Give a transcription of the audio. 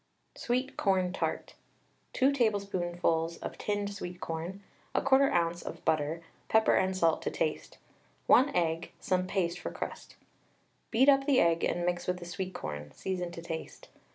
SWEET CORN TART. 2 tablespoonfuls of tinned sweet corn, 1/4 oz. of butter, pepper and salt to taste, 1 egg, some paste for crust. Beat up the egg and mix with the sweet corn, season to taste.